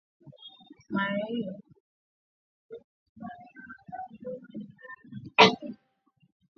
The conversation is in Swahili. Mahere msemaji wa wananchi alisema chama chake hakijafurahishwa